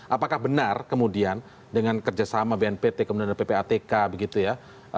apakah benar kemudian dengan kerjasama bnpt kemudian dengan ppatk begitu ya